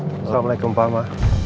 assalamualaikum pak ma